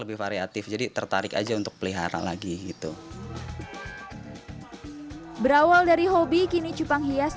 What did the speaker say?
lebih variatif jadi tertarik aja untuk pelihara lagi gitu berawal dari hobi kini cupang hias